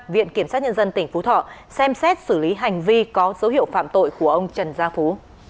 viện kiểm sát nhân dân tỉnh phú thọ xem xét xử lý hành vi có dấu hiệu phạm tội của ông trần gia phú